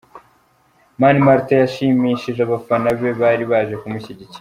Mani Martin yashimishije abafana be bari baje kumushyigikira.